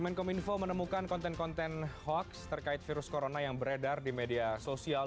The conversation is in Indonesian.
menkom info menemukan konten konten hoax terkait virus corona yang beredar di media sosial